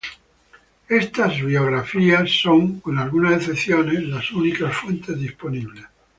Estas biografías son, con algunas excepciones, las únicas fuentes disponibles.